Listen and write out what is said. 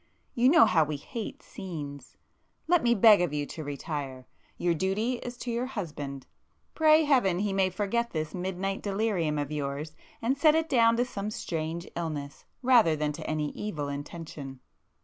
You know how we hate 'scenes'! Let me beg of you to retire! Your duty is to your husband; pray heaven he may forget [p 374] this midnight delirium of yours, and set it down to some strange illness rather than to any evil intention."